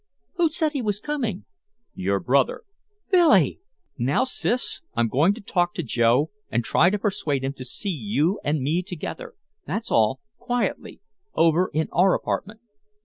"Who said he was coming?" "Your brother." "Billy!" "Now, Sis, I'm going to talk to Joe and try to persuade him to see you and me together, that's all quietly over in our apartment."